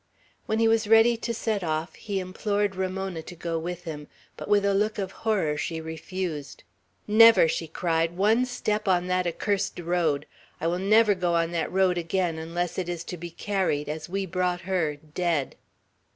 When he was ready to set off, he implored Ramona to go with him; but with a look of horror she refused. "Never," she cried, "one step on that accursed road! I will never go on that road again unless it is to be carried, as we brought her, dead."